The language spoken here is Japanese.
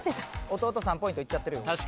弟３ポイントいっちゃってるよ。